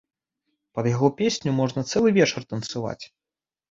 Пад яго песню можна цэлы вечар танцаваць.